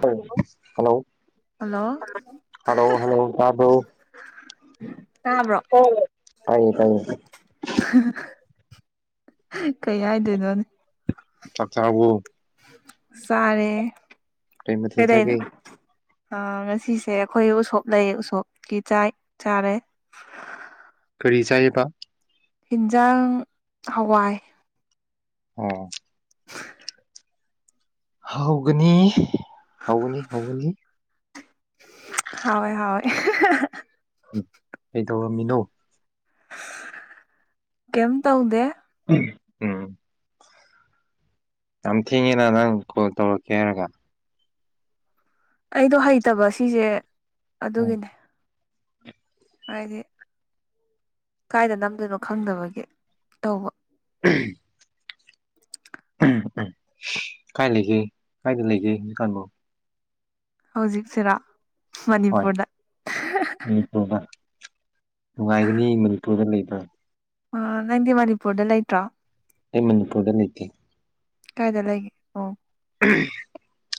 ꯍ hello hello hello hello ꯀ ꯊ꯭ꯔꯣ ꯀꯥꯕ꯭ꯔꯣ ꯇꯌꯦ ꯇꯥꯏꯌꯦ ꯀꯩ ꯍꯥꯏꯗꯣꯏꯅꯣꯅꯦ ꯆꯊꯕ ꯁꯥꯔꯦ ꯇꯩ ꯃꯊ ꯆꯒꯦ ꯑ ꯉꯁꯤꯁꯦ ꯑꯩꯈꯣꯏ ꯎꯁꯣꯞ ꯂꯩ ꯎꯁꯣꯞꯀꯤ ꯆꯥꯏ ꯆꯥꯔꯦ ꯀꯔꯤ ꯆꯥꯏꯕ ꯍꯤꯟꯖꯥꯡ ꯍꯋꯥꯏ ꯑꯣ ꯍꯧꯒꯅꯤ ꯍꯧꯒꯅꯤ ꯍꯧꯒꯅꯤ ꯍꯣꯏ ꯍꯣꯏ ꯎ ꯀꯩ ꯇꯧꯔꯝꯃꯤꯅꯣ ꯀꯝ ꯇ ꯍꯗꯦ ꯎꯝ ꯌꯥꯝ ꯊꯦꯡꯉꯦꯅ ꯅꯪ ꯀꯣꯜ ꯇꯧꯔꯛꯀꯦ ꯍꯥꯏꯔꯒ ꯑꯩꯗꯣ ꯍꯩꯇꯕ ꯁꯤꯁꯦ ꯎꯝ ꯑꯗꯨꯒꯤꯅꯦ ꯍꯥꯏꯗꯤ ꯀꯥꯏꯗ ꯅꯝꯗꯣꯏꯅꯣ ꯈꯪꯗꯕꯒꯤꯦ ꯇꯧꯕ ꯎꯝ [inaudible] ꯎꯝ ꯀꯥꯏ ꯂꯩꯒꯦ ꯀꯥꯏꯗ ꯂꯩꯒꯦ ꯍꯧꯖꯤꯛꯀꯥꯟꯕꯨ ꯍꯧꯖꯤꯛꯁꯤꯔꯥ ꯍ ꯃꯅꯤꯄꯨꯔꯗ [unintelligible] [inaudible] ꯅꯨꯡꯉꯥꯏꯒꯅꯤ ꯃꯅꯤꯄꯨꯔꯗ ꯂꯩꯕ꯭ꯔ ꯑ ꯅꯪꯗꯤ ꯃꯅꯤꯄꯨꯔꯗ ꯂꯩꯇ꯭ꯔꯣ ꯑꯩ ꯃꯅꯤ ꯀꯨꯔꯗ ꯂꯩ ꯂꯩꯇ ꯀꯥꯏꯗ ꯂꯩꯒꯦ ꯑꯣ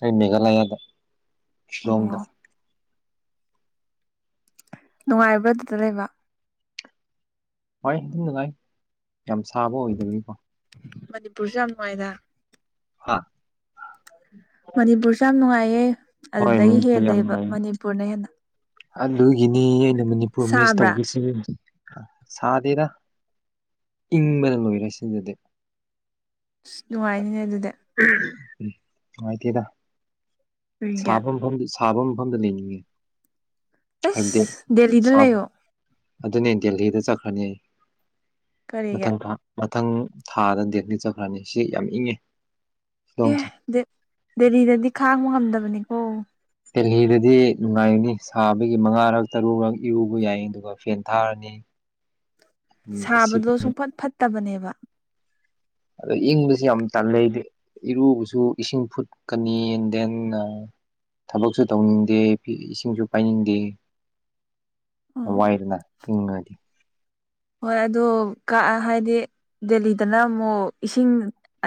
ꯑꯩ ꯃꯦꯘꯂꯌꯥꯗ ꯁꯤꯤꯂꯣꯡꯗ ꯑꯣ ꯅꯨꯡꯉꯥꯏꯕ꯭ꯔꯥ ꯑꯗꯨꯗ ꯂꯩꯕ ꯍꯣꯏ ꯑꯗꯨꯅꯉꯥꯏ ꯌꯥꯝ ꯁꯥꯕ ꯑꯣꯏꯗꯕꯅꯤꯀꯣ ꯃꯅꯤꯄꯨꯔꯁꯨ ꯌꯥꯝ ꯅꯨꯡꯉꯥꯏꯗ ꯑ [unintelligible] [inaudible] ꯃꯅꯤꯄꯨꯔꯁꯨ ꯌꯥꯝ ꯅꯨꯡꯉꯥꯏꯌꯦ ꯍꯣꯏ ꯑꯗꯨꯗꯒꯤ ꯃꯅꯤꯄꯨꯔ ꯌꯥꯝ ꯍꯦꯜꯂꯦꯕ ꯅꯨꯡꯉꯥꯏ ꯃꯅꯤꯄꯨꯔꯅ ꯍꯦꯟꯅ ꯑꯗꯨꯒꯤꯅꯤ ꯑꯩꯅ ꯃꯅꯤꯄꯨꯔ ꯃꯤꯁ ꯁꯥꯕ꯭ꯔꯥ ꯇꯧꯕꯁꯤ ꯁꯥꯗꯦꯔ ꯏꯪꯕꯅ ꯂꯣꯏꯔꯦ ꯁꯤꯗꯗꯤ ꯑꯁ ꯅꯨꯡꯉꯥꯏꯅꯤꯅꯦ ꯑꯗꯨꯗꯤ ꯅꯨꯡꯉꯥꯏꯇꯦꯗ ꯀꯔꯤꯒꯤ ꯁꯥꯕ ꯃꯐꯝꯗ ꯁꯥꯕ ꯃꯐꯝꯗ ꯂꯩꯅꯤꯡꯉꯦ ꯑꯁ ꯍꯥꯏꯕꯗꯤ ꯗꯦꯂꯤꯗ ꯂꯩꯌꯣ ꯑꯗꯨꯅꯦ ꯗꯦꯍꯤꯗ ꯆꯠꯈ꯭ꯔꯅꯤ ꯀꯔꯤꯒꯤ ꯃꯊꯪ ꯊꯥ ꯃꯊꯪ ꯊꯥꯗ ꯗꯦꯠꯅꯤ ꯆꯠꯈ꯭ꯔꯅꯤ ꯁꯤ ꯌꯥꯝ ꯏꯪꯉꯤ ꯑꯦ ꯗꯦꯜꯂꯤꯗꯗꯤ ꯈꯥꯡꯕ ꯉꯝꯗꯕꯅꯤꯀꯣ ꯗꯦꯍꯤꯗꯗꯤ ꯅꯨꯡꯉꯥꯏꯔꯅꯤ ꯁꯥꯕꯒꯤ ꯃꯉꯥꯔꯛ ꯇꯔꯨꯔꯛ ꯏꯔꯨꯕ ꯌꯥꯏ ꯑꯗꯨꯒ ꯐꯦꯟ ꯊꯥꯔꯅꯤ ꯎꯝ ꯑꯦꯁꯤ ꯁꯥꯕꯗꯣ ꯁꯨꯡꯐꯠ ꯐꯠꯇꯕꯅꯦꯕ ꯑꯗꯣ ꯏꯪꯕꯁꯨ ꯌꯥꯝ ꯇꯜ ꯂꯩꯗꯤ ꯏꯔꯨꯕꯁꯨ ꯏꯁꯤꯡ ꯐꯨꯠꯀꯅꯤ ꯑꯦꯟ ꯗꯦꯟ ꯊꯕꯛꯁꯨ ꯇꯧꯅꯤꯡꯗꯦ ꯏꯁꯤꯡꯁꯨ ꯄꯥꯏꯅꯤꯡꯗꯦ ꯎꯝ ꯑꯥꯏꯅ ꯍꯉꯗꯤ ꯍꯣꯏ ꯑꯗꯨ ꯀꯛ ꯍꯥꯏꯗꯤ ꯗꯦꯜꯂꯤꯗꯅ ꯑꯃꯨꯛ ꯏꯁꯤꯡ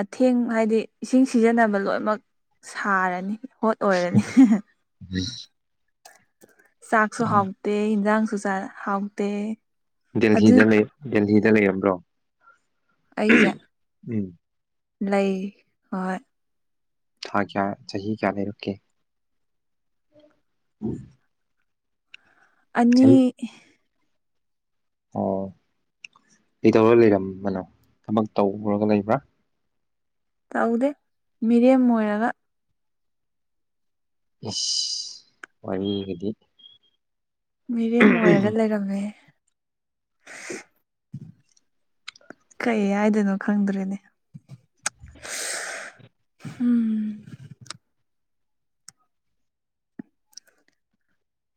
ꯑꯊꯦꯡ ꯍꯥꯏꯗꯤ ꯏꯁꯤꯡ ꯁꯤꯖꯤꯟꯅꯕ ꯂꯣꯏꯅꯃꯛ ꯁꯥꯔꯅꯤ ꯍꯣꯠ ꯑꯣꯏꯔꯅꯤ ꯆꯥꯛꯁꯨ ꯎꯝ ꯍꯥꯎꯇꯦ ꯌꯦꯟꯁꯥꯡꯁꯨ ꯍꯥꯎꯇꯦ ꯑꯗꯨ ꯗꯦꯜꯗ ꯂꯩ ꯗꯦꯜꯍꯤꯗ ꯂꯩꯔꯝꯕ꯭ꯔꯣ ꯑꯩꯖ ꯎꯝ [unintelligible] [inaudible] ꯂꯩ ꯍꯣꯏ ꯊꯥ ꯀꯌꯥ ꯆꯍꯤꯍꯤ ꯀꯌꯥ ꯂꯩ ꯔꯛꯦ ꯎꯝ ꯑꯅꯤ ꯑꯣ ꯀꯩꯗꯧꯔ ꯂꯩꯔꯝꯕꯅꯣ ꯊꯕꯛ ꯇꯧꯔꯒ ꯂꯩꯕ꯭ꯔꯥ ꯇꯎꯗꯦ ꯃꯤꯔꯤꯦꯝ ꯃ ꯑꯣꯏꯔꯒ ꯑꯁ ꯋꯥꯒꯗꯤ ꯃꯤꯔꯦꯝ ꯑꯣꯏꯔꯒ ꯂꯩꯔꯝꯃꯦ ꯀꯩ ꯍꯥꯏꯗꯣꯏꯅꯣ ꯈꯪꯗ꯭ꯔꯦꯅꯦ ꯎꯝ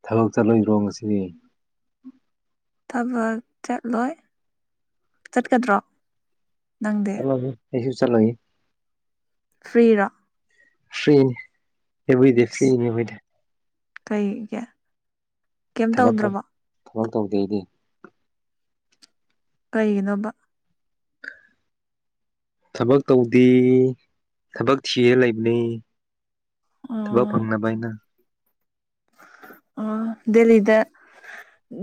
ꯊꯕꯛ ꯆꯠꯂꯣꯏꯏꯔꯣꯡ ꯑꯁꯤꯗꯤ ꯊꯕꯛ ꯆꯠꯂꯣꯏ ꯆꯠꯀꯗ꯭ꯔꯣ ꯅꯪꯗꯤ ꯆꯂꯣ ꯌꯦꯁꯨ ꯆꯂꯣꯒ ꯐꯔꯤꯔ ꯐ꯭ꯔꯤꯅꯤ ꯍꯕꯏꯗꯦ ꯐ꯭ꯔꯤꯅꯤ ꯍꯦꯕꯏꯗꯦ ꯀꯩꯒꯤꯦ ꯀꯩꯝ ꯊꯕꯛ ꯇꯧꯗ꯭ꯔꯕ ꯊꯕꯛ ꯇꯧꯗꯦ ꯑꯩꯗꯤ ꯀꯩꯒꯤꯅꯣꯝꯕ ꯊꯕꯛ ꯇꯧꯗꯦ ꯊꯕꯛ ꯊꯤꯔ ꯂꯩꯕꯅꯤ ꯊꯕꯥꯎ ꯐꯪꯅ ꯄꯥꯏꯅ ꯑ ꯗꯦꯜꯂꯤꯗ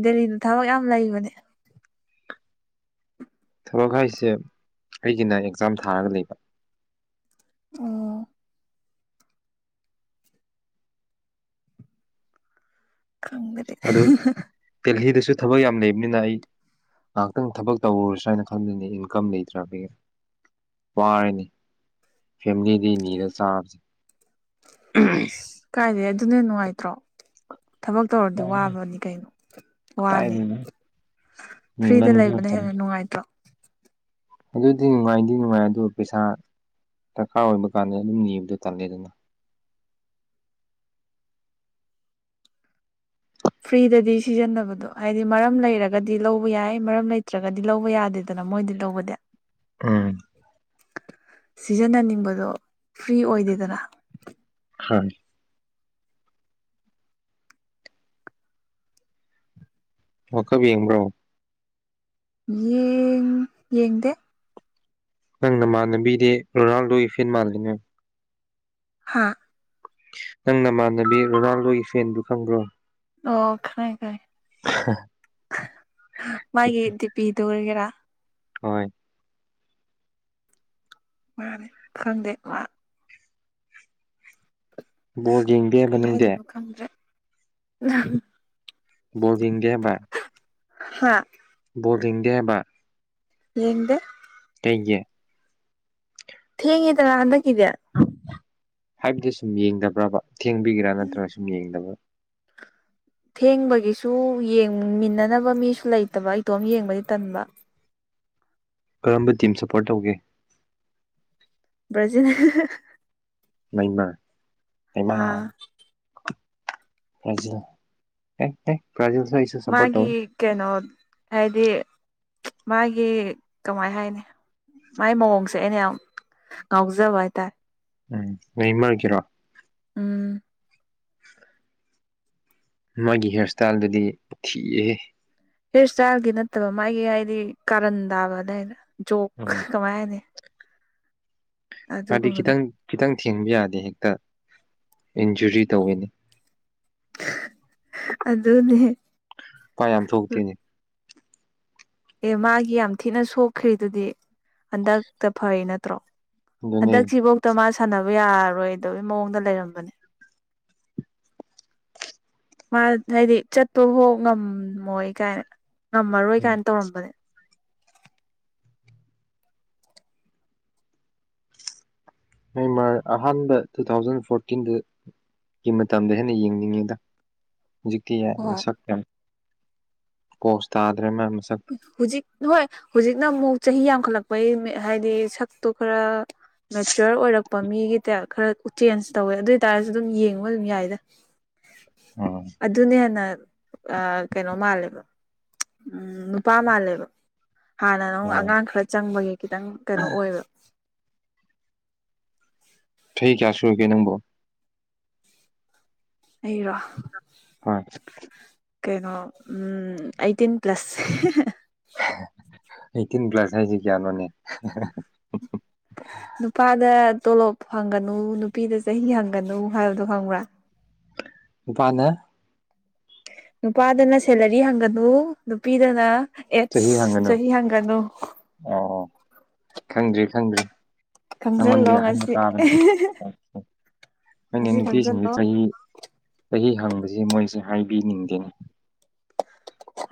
ꯗꯦꯜꯂꯤꯗ ꯊꯕꯛ ꯌꯥꯝ ꯂꯩꯕꯅꯦ ꯊꯂꯛ ꯍꯥꯏꯁꯦ ꯑꯩꯒꯤꯅ ꯑꯦꯛꯖꯥꯝ ꯊꯥꯔꯒ ꯂꯩꯕ ꯑꯣ ꯀꯝꯗꯔꯦ ꯁꯨ ꯊꯕꯛ ꯌꯥꯝ ꯂꯩꯕꯅꯤꯅ ꯑꯩ ꯉꯥꯏꯍꯥꯛꯇꯪ ꯊꯕꯛ ꯇꯧꯔꯨꯔ ꯁ ꯍꯥꯏꯅ ꯈꯪꯕꯅꯤ ꯏꯟꯀꯝ ꯂꯩꯇ꯭ꯔꯕꯒꯤ ꯄꯔꯤꯅꯤ ꯐꯦꯃꯤꯂꯤꯗꯤ ꯅꯤꯔ ꯆꯥꯕꯁꯦ ꯑ ꯀꯥꯏꯗꯩ ꯑꯗꯨꯅ ꯅꯨꯡꯉꯥꯏꯇ꯭ꯔꯣ ꯊꯕꯛ ꯇꯧꯔꯗꯤ ꯋꯥꯕꯅꯤ ꯀꯩꯅꯣ ꯋꯥꯅꯤ ꯀꯗꯥꯏꯗꯒꯤ ꯐ꯭ꯔꯤꯗ ꯅꯤꯃꯟ ꯂꯩꯕꯅ ꯍꯦꯟꯅ ꯅꯨꯡꯉꯥꯏꯇ꯭ꯔꯣ ꯑꯗꯨꯗꯤ ꯅꯨꯡꯉꯥꯏꯗꯤ ꯅꯨꯡꯉꯥꯏ ꯑꯗꯨ ꯄꯩꯁꯥ ꯗꯔꯀꯥꯔ ꯑꯣꯏꯕ ꯀꯥꯟꯗ ꯑꯗꯨꯝ ꯅꯤꯕꯗꯣ ꯇꯜꯂꯦ ꯑꯗꯨꯅ ꯐ꯭ꯔꯤꯗꯗꯤ ꯁꯤꯖꯤꯟꯅꯕꯗꯣ ꯍꯥꯏꯗꯤ ꯃꯔꯝ ꯂꯩꯔꯒꯗꯤ ꯂꯧꯕ ꯌꯥꯏ ꯃꯔꯝ ꯂꯩꯇ꯭ꯔꯒꯗꯤ ꯂꯧꯕ ꯌꯥꯗꯦꯗꯅ ꯃꯣꯏꯗꯤ ꯂꯧꯕꯗ ꯎꯝ ꯁꯤꯖꯤꯟꯅꯅꯤꯡꯕꯗꯣ ꯐ꯭ꯔꯤ ꯑꯣꯏꯗꯦꯗꯅ ꯍꯥ ꯑꯣ ꯈꯕꯤ ꯌꯦꯡꯕ꯭ꯔꯣ ꯌꯦꯡ ꯌꯦꯡꯗꯦ ꯅꯪꯅ ꯃꯥꯟꯅꯕꯤꯗꯦ ꯔꯣꯅꯥꯜꯗꯣ ꯏꯐꯦꯟ ꯃꯥꯜꯂꯤ ꯅꯪ ꯍꯥ ꯅꯪ ꯅꯃꯥꯟꯅꯕꯤ ꯔꯣꯅꯥꯜꯗꯣꯒꯤ ꯐꯦꯟꯗꯨ ꯈꯪꯕ꯭ꯔꯣ ꯑꯣ ꯈꯅꯤ ꯀꯥꯏ [inaudible] ꯃꯥꯒꯤꯗꯤꯄꯤꯗꯨ ꯑꯣꯏꯔꯒꯦꯔꯥ ꯍꯣꯏ ꯃꯥꯅꯦ ꯈꯪꯗꯦ ꯂ ꯕꯣꯔ ꯌꯦꯡꯕꯕ ꯅꯪꯗꯤ ꯑ ꯣꯗꯤꯒꯦꯕ ꯍꯥ ꯕꯣꯔꯔꯤꯡꯗꯦꯕ ꯌꯦꯗ ꯂꯩꯦ ꯍꯦꯡꯉꯦꯗꯔ ꯑꯗ ꯀꯗꯌꯥ ꯍꯥꯏꯕꯗꯤ ꯁꯨꯝ ꯌꯦꯡꯗꯕ꯭ꯔꯕ ꯊꯦꯡꯕꯤꯒꯦꯔꯥ ꯅꯠꯇ꯭ꯔꯒ ꯁꯨꯝ ꯌꯦꯡꯗꯕ꯭ꯔꯥ ꯊꯦꯡꯕꯒꯤꯁꯨ ꯌꯦꯡꯃꯤꯟꯅꯅꯕ ꯃꯤꯁꯨ ꯂꯩꯇꯕ ꯏꯇꯣꯝ ꯌꯦꯡꯕꯗꯤ ꯇꯟꯕ ꯀꯔꯝꯕ ꯇꯤꯝ ꯁꯄꯣꯔꯠ ꯇꯧꯒꯦ ꯕ꯭ꯔꯖꯤꯜ ꯂꯩꯃ ꯑꯥ ꯖ ꯃꯥꯒꯤ ꯀꯩꯅꯣ ꯍꯥꯏꯗꯤ ꯃꯥꯒꯤ ꯀꯃꯥꯏ ꯍꯥꯏꯅꯤ ꯃꯥꯏ ꯃꯑꯣꯡꯁꯦ ꯑꯩꯅ ꯌꯥꯝ ꯉꯥꯎꯖꯕ ꯍꯥꯏꯇꯥꯔꯦ ꯎꯝ ꯅ ꯏꯃꯥ ꯑꯣꯏ ꯀꯔꯣ ꯎꯝ ꯃꯥꯒꯤ ꯍꯤꯌꯥꯔ ꯏꯁꯇꯥꯏꯜꯗꯨꯗꯤ ꯊꯤꯌꯦ ꯍꯦꯌꯔ ꯏꯁꯇꯥꯏꯜꯒꯤ ꯅꯠꯇꯕ ꯃꯥꯒꯤ ꯍꯥꯏꯗꯤ ꯀꯥꯔꯟ ꯇꯥꯕ ꯑꯗꯨꯗꯥꯏꯗ ꯎꯝ ꯀꯃꯅꯦ ꯃꯥꯗꯤ ꯈꯤꯇꯪ ꯈꯤꯇꯪ ꯊꯦꯡꯕ ꯌꯥꯗꯦ ꯍꯦꯛꯇ ꯏꯟꯖꯨꯔꯤ ꯇꯧꯋꯤꯅꯤ ꯑꯗꯨꯗꯅꯦ ꯄꯄꯥ ꯌꯥꯝ ꯊꯣꯛꯇꯦꯅꯦ ꯑꯦ ꯃꯥꯒꯤ ꯌꯥꯝ ꯊꯤꯅ ꯁꯣꯛꯈ꯭ꯔꯤꯗꯨꯗꯤ ꯍꯟꯗꯛꯇ ꯐꯩ ꯅꯠꯇ꯭ꯔꯣ ꯑꯗꯨꯅꯦ ꯍꯟꯗꯛꯁꯤꯤꯐꯧꯇ ꯃꯥ ꯁꯥꯟꯅꯕ ꯌꯥꯔꯔꯣꯏꯗꯒꯤ ꯃꯑꯣꯡꯗ ꯂꯩꯔꯝꯕꯅꯦ ꯃꯥ ꯍꯥꯏꯗꯤ ꯆꯠꯄꯐꯥꯎ ꯉꯝꯃꯣꯏ ꯀꯥꯏꯅ ꯉꯝꯃꯔꯣꯏ ꯎꯝ ꯀꯥꯏꯅ ꯇꯧꯔꯝꯕꯅꯦ ꯃ ꯑꯍꯥꯟꯕ ꯇꯨ ꯊꯥꯎꯖꯟ ꯐꯣꯔꯇꯤꯟꯗ ꯒꯤ ꯃꯇꯝꯗ ꯍꯦꯟꯅ ꯌꯦꯡꯅꯤꯡꯉꯤꯗ ꯍꯧꯖꯤꯛꯇꯤ ꯍꯣꯏ ꯃꯁꯛ ꯄꯣꯁꯇꯥ ꯍꯧꯖꯤꯛ ꯍꯣꯏ ꯍꯧꯖꯤꯛꯅ ꯑꯃꯨꯛ ꯆꯍꯤ ꯌꯥꯝꯈꯠꯂꯛꯄꯩ ꯍꯥꯏꯗꯤ ꯁꯛꯇꯣ ꯈꯔ ꯃꯦꯆꯣꯔ ꯑꯣꯏꯔꯛꯄ ꯂꯄ ꯃꯤꯒꯤꯇ ꯈꯔ ꯎ ꯆꯦꯟꯖ ꯇꯧꯋꯦ ꯑꯗꯨ ꯑꯣꯏꯇꯥꯔꯁꯨ ꯑꯗꯨꯝ ꯌꯦꯡꯕ ꯑꯗꯨꯝ ꯌꯥꯏꯗ ꯎꯝ ꯑꯗꯨꯅ ꯍꯦꯟꯅ ꯀꯩꯅꯣ ꯃꯥꯜꯂꯦꯕ ꯎꯝ ꯅꯨꯄꯥ ꯃꯥꯜꯂꯦꯕ ꯍꯥꯟꯅ ꯅꯪ ꯎꯝ ꯑꯉꯥꯡ ꯈꯔ ꯆꯪꯕꯒꯤ ꯈꯤꯇꯪ ꯀꯩꯅꯣ ꯑꯣꯏꯕ ꯊꯩ ꯀꯌꯥꯁꯨꯒꯦ ꯅꯪꯕꯣ ꯑꯩꯔꯣ ꯍꯣꯏ ꯀꯩꯅꯣ ꯑꯩꯇꯤꯟ ꯄ꯭ꯂꯁꯦ ꯑꯩꯠꯇꯤꯟ ꯄ꯭ꯂꯥꯁ ꯍꯥꯏꯁꯤ ꯀꯌꯥꯅꯣꯅꯦ ꯅꯨꯄꯥꯗ ꯇꯣꯂꯣꯞ ꯐꯪꯒꯅꯨ ꯅꯨꯄꯤꯗ ꯆꯍꯤ ꯍꯪꯒꯅꯨ ꯍꯥꯏꯕꯗꯣ ꯐꯪꯕ꯭ꯔꯥ ꯅꯨꯄꯥꯗ ꯅꯨꯄꯥꯗꯅ ꯁꯦꯂꯔꯤ ꯍꯪꯒꯅꯨ ꯅꯨꯄꯤꯗꯅ ꯆꯍꯤ ꯑꯦꯠꯁ ꯍꯥꯡꯒꯅꯨ ꯆꯍꯤ ꯍꯪꯒꯅꯨ ꯑ ꯈꯪꯗ꯭ꯔꯤ ꯈꯪꯗ꯭ꯔꯤ ꯁꯪꯉꯣꯟꯒꯤ ꯈꯪꯖꯤꯜꯂꯣ ꯍ ꯉꯁꯤ ꯇꯕ ꯑꯩꯅ ꯉꯁꯤ ꯅꯨꯄꯤꯁꯤꯡꯁ ꯈꯪꯖꯤꯜꯂꯣ ꯆꯍꯤ ꯆꯍꯤ ꯍꯪꯕꯁꯦ ꯃꯣꯏꯁꯦ ꯍꯥꯏꯕꯤꯅꯤꯡꯗꯦꯅꯤ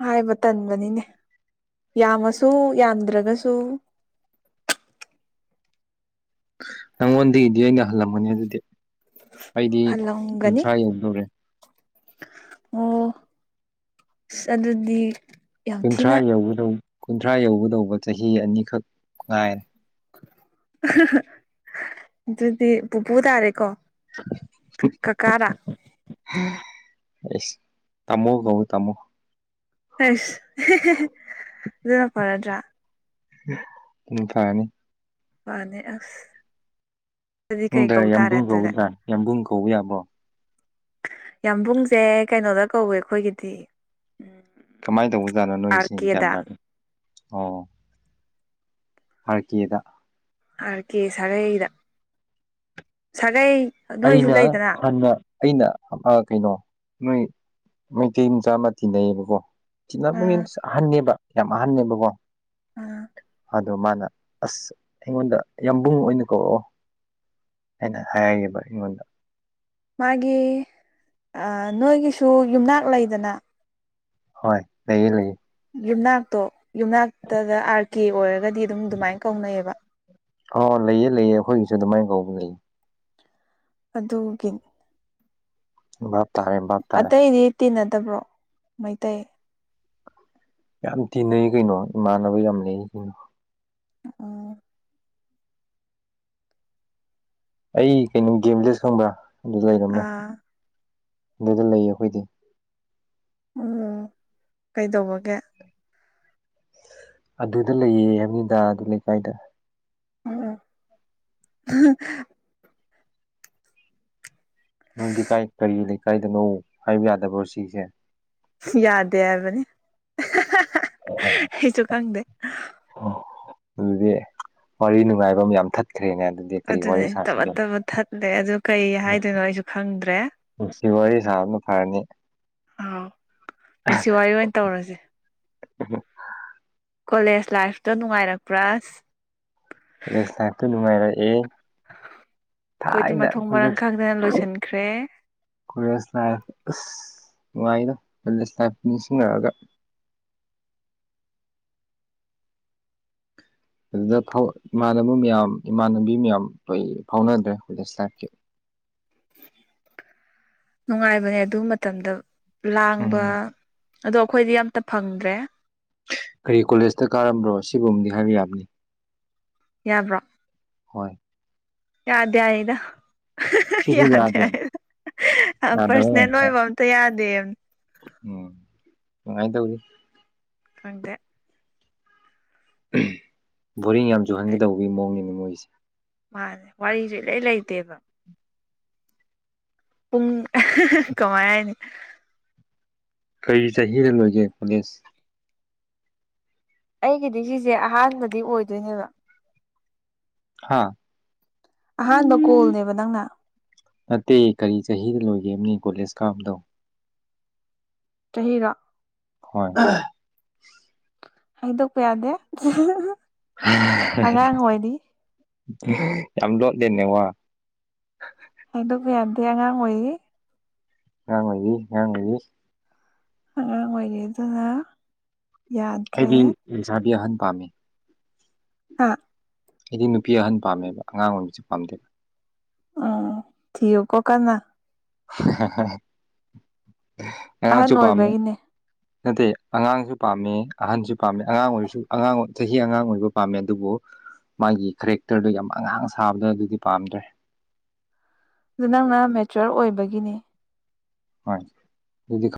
ꯍꯥꯏꯕ ꯇꯟꯕꯅꯤꯅꯦ ꯌꯥꯝꯃꯁꯨ ꯌꯥꯝꯗ꯭ꯔꯒꯁꯨ ꯅꯪꯉꯣꯟꯗꯒꯤꯗꯤ ꯑꯩꯅ ꯍꯜꯂꯝꯃꯅꯤ ꯑꯗꯨꯗꯤ ꯑꯩꯗꯤ ꯍꯜꯂꯝꯒꯅꯤ ꯀꯨꯟꯊ꯭ꯔꯥ ꯌꯧꯗꯨꯔꯦ ꯑꯣ ꯑꯗꯨ ꯑꯗꯨꯗꯤ ꯌꯥꯝ ꯀꯨꯟꯊ꯭ꯔꯥ ꯊꯤꯅ ꯌ ꯀꯨꯟꯊ꯭ꯔꯥ ꯌꯧꯒꯗꯧꯕ ꯆꯍꯤ ꯑꯅꯤꯈꯛ ꯉꯥꯏꯔꯦ ꯑꯗꯨꯗꯤ ꯄꯨꯄꯨ ꯇꯥꯔꯦꯀꯣ ꯀꯀꯥꯥ ꯑꯦꯁ ꯇꯥꯃꯣ ꯀꯣ ꯇꯥꯃꯣ ꯑꯁ ꯑꯗꯨꯅ ꯐꯔꯗ꯭ꯔꯥ ꯎ ꯐꯔꯥꯅꯤ ꯐꯅꯦ ꯑꯁ ꯑꯗꯨꯗꯤ ꯀꯩ ꯗ ꯀꯧ ꯇꯥꯔꯦ ꯌꯥꯝꯕꯨꯡ ꯑꯗꯨꯗꯤ ꯀꯧꯕꯗ꯭ꯔꯥ ꯌꯥꯝꯕꯨꯡ ꯀꯧꯕ ꯌꯥꯕ꯭ꯔꯣ ꯌꯥꯝꯕꯨꯡꯁꯦ ꯀꯩꯅꯣꯗ ꯀꯧꯋꯦ ꯑꯩꯈꯣꯏꯒꯤꯗꯤ ꯎꯝ ꯀꯃꯥꯏꯅ ꯇꯧꯕꯖꯥꯠꯅꯣ ꯑꯥꯔ ꯅꯣꯏꯁꯦ ꯒ꯭ꯌꯥꯟ ꯀꯦꯗ ꯇꯥꯅꯤ ꯑꯣ ꯐꯔꯀꯤꯗ ꯑꯀꯦ ꯁꯥꯒꯩꯗ ꯁꯥꯒꯩ ꯅꯣꯏꯁꯨ ꯑꯩꯅ ꯂꯩꯗꯅ ꯍꯟꯅ ꯑꯩꯅ ꯀꯩꯅꯣ ꯅꯣꯏ ꯃꯩꯇꯩ ꯃꯆꯥ ꯑꯃ ꯇꯤꯟꯅꯩꯌꯦꯕꯀꯣ ꯆꯤꯅꯕ ꯑꯥ ꯃꯤꯟꯁ ꯑꯍꯟꯅꯦꯕ ꯌꯥꯝ ꯑꯍꯟꯅꯦꯕꯀꯣ ꯑꯥ ꯑꯗꯣ ꯃꯥꯅ ꯑꯁ ꯑꯩꯉꯣꯟꯗ ꯌꯥꯝꯕꯨꯡ ꯑꯣꯏꯅ ꯀꯧꯔꯛꯑꯣ ꯑꯩꯅ ꯍꯥꯏꯌꯦꯕ ꯑꯩꯉꯣꯟꯗ ꯃꯥꯒꯤ ꯅꯣꯏꯒꯤꯁꯨ ꯌꯨꯝꯅꯥꯛ ꯂꯩꯗꯅ ꯍꯣꯏ ꯂꯩꯌꯦ ꯂꯩꯌꯦ ꯌꯨꯝꯅꯥꯛꯇꯣ ꯌꯨꯝꯅꯥꯛꯇꯗ ꯑꯥꯔ ꯀꯦ ꯑꯣꯏꯔꯒꯗꯤ ꯑꯗꯨꯝ ꯑꯗꯨꯃꯥꯏꯅ ꯀꯧꯅꯩꯌꯦꯕ ꯑꯣ ꯂꯩꯌꯦ ꯂꯩꯌꯦ ꯑꯩꯈꯣꯏꯒꯤꯁꯨ ꯑꯗꯨꯃꯥꯏꯅ ꯀꯧꯕ ꯂꯩꯌꯦ ꯑꯗꯨꯒꯤ ꯚꯞ ꯇꯥꯔꯦ ꯚꯞ ꯇꯥꯔꯦ ꯑꯇꯩꯗꯤ ꯇꯤꯟꯅꯗꯕ꯭ꯔꯣ ꯃꯩꯇꯩ ꯌꯥꯝ ꯇꯤꯟꯅꯩ ꯀꯩꯅꯣ ꯏꯃꯥꯟꯅꯕ ꯌꯥꯝ ꯂꯩ ꯀꯩꯅꯣ ꯑ ꯑꯩ ꯀꯩꯅꯣ ꯒꯦꯝꯂꯦꯁ ꯈꯪꯕ꯭ꯔꯥ ꯑꯗꯨ ꯂꯩꯔꯝꯃꯦ ꯑꯥ ꯑꯗꯨꯗ ꯂꯩꯌꯦ ꯑꯩꯈꯣꯏꯗꯤ ꯑꯣ ꯀꯩꯗꯧꯕꯒꯦ ꯑꯗꯨꯗ ꯂꯩꯌꯦ ꯍꯥꯏꯃꯤꯗꯥ ꯑꯗꯨ ꯂꯩꯀꯥꯏꯗ ꯑꯣ ꯅꯪꯗꯤ ꯀꯥꯏ ꯀꯔꯤ ꯂꯩꯀꯥꯏꯗꯅꯣ ꯍꯥꯏꯕ ꯌꯥꯗꯕ꯭ꯔꯣ ꯁꯤꯁꯦ ꯌꯥꯗꯦ ꯍꯥꯏꯕꯅꯤ ꯑꯩꯁꯨ ꯈꯪꯗꯦ ꯑꯗꯨꯗꯤ ꯋꯥꯔꯤ ꯅꯨꯡꯉꯥꯏꯕ ꯑꯃ ꯌꯥꯝ ꯊꯠ ꯑꯗꯨꯅ ꯇꯕ ꯇꯕꯠ ꯊꯠꯂꯦ ꯑꯗꯨ ꯀꯩ ꯍꯥꯏꯗꯣꯏꯅꯣ ꯑꯩꯁꯨ ꯈꯪꯗ꯭ꯔꯦ ꯅꯨꯡꯁꯤ ꯋꯥꯔꯤ ꯁꯥꯕꯅ ꯐꯔꯅꯤ ꯑꯥꯎ ꯄꯨꯟꯁꯤ ꯋꯥꯔꯤ ꯑꯣꯏꯅ ꯇꯧꯔꯁꯦ ꯀꯣꯂꯦꯖ ꯂꯥꯏꯐꯇꯣ ꯅꯨꯡꯉꯥꯏꯔꯛꯄ꯭ꯔꯥꯁ ꯒꯦꯁ ꯂꯥꯛꯇꯨ ꯨꯃꯥꯏꯔ ꯑꯦ ꯑꯩꯈꯣꯏꯗꯤ ꯃꯊꯣꯡ ꯃꯔꯥꯡ ꯈꯪꯗꯅ ꯂꯣꯏꯁꯤꯟꯈ꯭ꯔꯦ ꯀꯂꯦꯖ ꯂꯥꯏ ꯅꯨꯡꯉꯥꯏꯅꯣ ꯀꯂꯦꯖ ꯂꯥꯏꯐ ꯅꯤꯡꯁꯤꯡꯉꯔꯒ ꯑꯗꯨꯗ ꯏꯃꯥꯟꯅꯕ ꯃꯌꯥꯝ ꯏꯃꯥꯟꯅꯕꯤ ꯃꯌꯥꯝ ꯂꯣꯏ ꯐꯥꯎꯅꯗ꯭ꯔꯦ ꯍꯧꯂ ꯂꯥꯏꯐꯀꯤ [inaudible] ꯅꯨꯡꯉꯥꯏꯕꯅꯦ ꯑꯗꯨ ꯃꯇꯝꯗ ꯂꯥꯡꯕ ꯎꯝ ꯑꯗꯣ ꯑꯩꯈꯣꯏꯗꯤ ꯌꯥꯝꯝꯇ ꯐꯪꯗ꯭ꯔꯦ ꯀꯔꯤ ꯀꯣꯂꯦꯖꯇ ꯀꯥꯔꯝꯕ꯭ꯔꯣ ꯁꯤꯕꯨꯅꯤ ꯍꯥꯏꯕ ꯌꯥꯕꯅꯤ ꯌꯥꯕ꯭ꯔꯣ ꯍꯣꯏ ꯌꯥꯗ ꯍꯥꯏꯔꯗ ꯌꯥꯗꯦ ꯌꯥꯗꯕ ꯄꯥꯔꯁꯣꯅꯦꯜ ꯉꯥꯛꯇ ꯑꯣꯏꯕ ꯑꯝꯇ ꯌꯥꯗꯦ ꯎꯝ ꯀꯃꯥꯏꯅ ꯇꯧꯔꯤ ꯈꯪꯗꯦ ꯕꯣꯔꯤꯡ ꯌꯥꯝ ꯍꯥꯏ ꯆꯨꯍꯟꯒꯗꯧꯕꯒꯤ ꯃꯑꯣꯡꯅꯤꯅ ꯃꯣꯏꯒꯤꯁꯦ ꯃꯥꯅꯦ ꯋꯥꯔꯤꯁꯨꯦ ꯂꯣꯏ ꯂꯩꯇꯦꯕ ꯄꯨꯡ ꯀꯃꯥꯏꯅꯤ ꯀꯔꯤ ꯆꯍꯤꯗ ꯂꯣꯏꯒꯦ ꯄꯨꯣꯂꯁ ꯑꯩꯒꯤꯗꯤ ꯁꯤꯁꯦ ꯑꯍꯥꯟꯕꯗꯤ ꯑꯣꯏꯗꯣꯏꯅꯦꯕ ꯍꯥꯥ ꯑꯍꯥꯟꯕ ꯀꯣꯜꯅꯦꯕ ꯅꯪꯅ ꯅꯠꯇꯦ ꯀꯔꯤ ꯆꯍꯤꯗ ꯂꯣꯏꯒꯦꯃꯣ ꯀꯣꯂꯦꯖ ꯀꯥꯕꯗꯣ ꯆꯍꯤꯔꯣ ꯍꯣꯏ ꯍꯥꯏꯗꯣꯛꯄ ꯌꯥꯗꯦ ꯑꯉꯥꯡ ꯑꯣꯏꯔꯤ ꯌꯥꯝ ꯂꯣꯠꯂꯦꯅꯦ ꯋꯥ ꯍꯥꯏꯗꯣꯛꯄ ꯌꯥꯖꯦ ꯑꯉꯥꯡ ꯑꯣꯏꯔꯤ ꯉꯥꯡ ꯑꯣꯏꯔꯤ ꯉꯥꯡ ꯑꯣꯏꯔꯤ ꯑꯉꯥꯡ ꯑꯣꯏꯔꯤꯗ ꯑꯩꯗꯤ ꯂꯩꯁꯥꯕꯤ ꯑꯍꯟ ꯄꯥꯝꯃꯤ ꯍꯥ ꯑꯩꯗꯤ ꯅꯨꯄꯤ ꯑꯍꯟ ꯄꯥꯝꯃꯦꯕ ꯑꯉꯥꯡ ꯑꯣꯏꯕꯁꯤ ꯄꯥꯝꯗꯦꯕ ꯑꯣ ꯊꯤꯌꯨꯀꯣ ꯀꯟꯅ ꯑꯉꯥꯡꯁꯨ ꯑꯍꯟ ꯄꯥꯝꯃꯦ ꯑꯣꯏꯕꯒꯤꯅꯦ ꯅꯠꯇꯦ ꯑꯉꯥꯡꯁꯨ ꯄꯥꯝꯃꯦ ꯑꯍꯟꯁꯨ ꯄꯥꯝꯃꯤ ꯑꯉꯥꯡ ꯑꯣꯏꯔꯁꯨ ꯑꯉꯥꯡ ꯆꯍꯤ ꯑꯉꯥꯡ ꯑꯣꯏꯕ ꯄꯥꯝꯃꯦ ꯑꯗꯨꯕꯨ ꯃꯥꯒꯤ ꯀꯦꯔꯦꯛꯇꯔꯗꯣ ꯌꯥꯝ ꯑꯉꯥꯡ ꯁꯥꯕꯗꯣ ꯑꯗꯨꯗꯤ ꯄꯥꯝꯗ꯭ꯔꯦ ꯑꯗꯨ ꯅꯪꯅ ꯃꯦꯆꯣꯔ ꯑꯣꯏꯕꯒꯤꯅꯤ ꯍꯣꯏ ꯑꯗꯨꯗꯤ